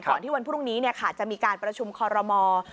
ที่วันพรุ่งนี้จะมีการประชุมคอรมอล์